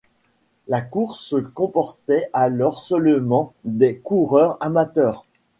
La course ne comportait alors seulement des coureurs amateurs.